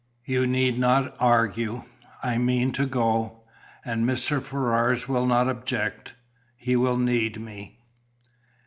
"You need not argue. I mean to go. And Mr. Ferrars will not object. He will need me."